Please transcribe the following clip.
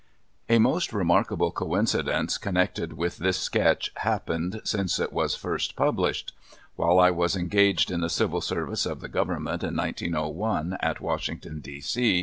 A most remarkable coincidence connected with this sketch happened since it was first published. While I was engaged in the Civil Service of the Government, in 1901, at Washington, D. C.